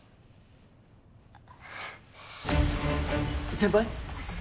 先輩！？